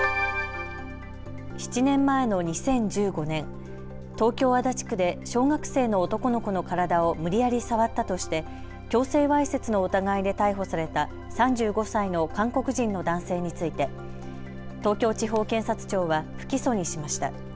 ７年前の２０１５年、東京足立区で小学生の男の子の体を無理やり触ったとして強制わいせつの疑いで逮捕された３５歳の韓国人の男性について東京地方検察庁は不起訴にしました。